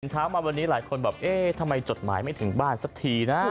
เช้ามาวันนี้หลายคนแบบเอ๊ะทำไมจดหมายไม่ถึงบ้านสักทีนะ